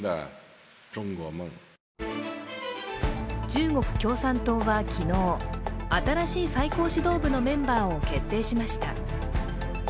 中国共産党は昨日、新しい最高指導部のメンバーを決定しました。